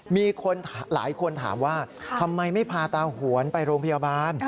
มีคนหลายคนถามว่าทำไมไม่พาตาหวนไปโรงพยาบาล